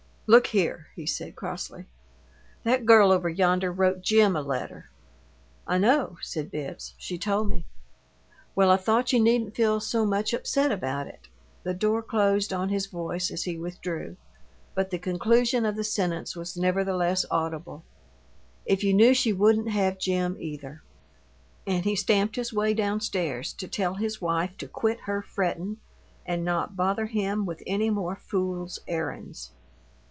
"Look here," he said, crossly. "That girl over yonder wrote Jim a letter " "I know," said Bibbs. "She told me." "Well, I thought you needn't feel so much upset about it " The door closed on his voice as he withdrew, but the conclusion of the sentence was nevertheless audible "if you knew she wouldn't have Jim, either." And he stamped his way down stairs to tell his wife to quit her frettin' and not bother him with any more fool's errands.